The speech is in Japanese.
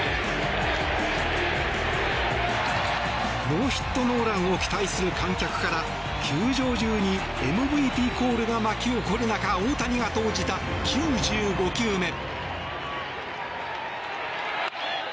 ノーヒットノーランを期待する観客から球場中にＭＶＰコールが巻き起こる中大谷が投じた９５球目。